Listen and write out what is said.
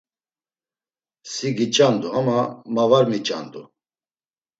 Si giç̌andu ama ma var miç̌andu.